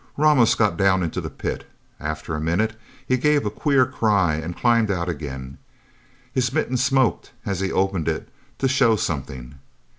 Ramos got down into the pit. After a minute, he gave a queer cry, and climbed out again. His mitten smoked as he opened it, to show something.